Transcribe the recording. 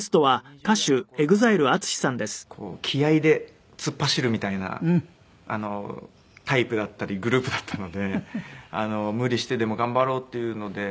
やっぱり２０代の頃から気合で突っ走るみたいなタイプだったりグループだったので無理してでも頑張ろうっていうので。